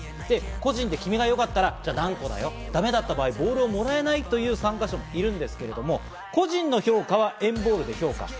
個人で、君がよかったら何個だよ、だめだった場合はボールをもらえないという参加者もいるんですけれども、個人の評価は＆ＢＡＬＬで評価。